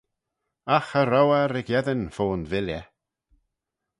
Agh cha row eh ry-gheddyn fo'n villey.